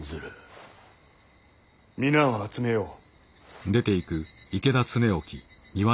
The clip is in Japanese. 皆を集めよう。